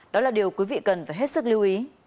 đó là điều quý vị cần phải hết sức lưu ý